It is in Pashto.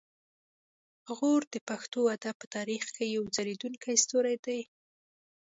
غور د پښتو ادب په تاریخ کې یو ځلیدونکی ستوری دی